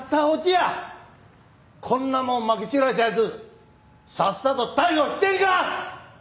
こんなもんまき散らした奴さっさと逮捕してんか！